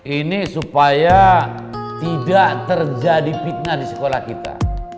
ini supaya tidak terjadi fitnah di sekolah kita